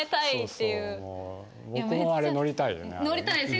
僕もあれ乗りたい。